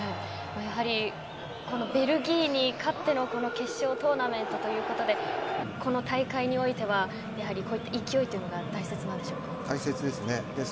やはりベルギーに勝っての決勝トーナメントということでこの大会においてはこういった勢いというのが大切ですね。